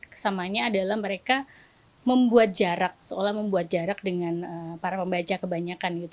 kesamanya adalah mereka membuat jarak seolah membuat jarak dengan para pembaca kebanyakan gitu